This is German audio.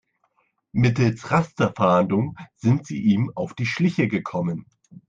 Mittels Rasterfahndung sind sie ihm auf die Schliche gekommen.